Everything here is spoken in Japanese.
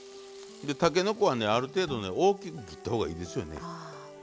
でたけのこはねある程度ね大きく切った方がいいですよね。